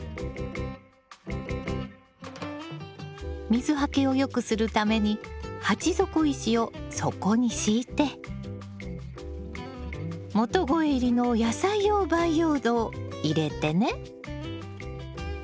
水はけをよくするために鉢底石を底に敷いて元肥入りの野菜用培養土を入れてね。